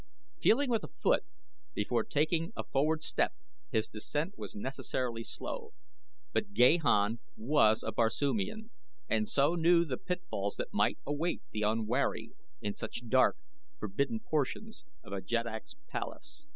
Feeling with a foot before taking a forward step his descent was necessarily slow, but Gahan was a Barsoomian and so knew the pitfalls that might await the unwary in such dark, forbidden portions of a jeddak's palace.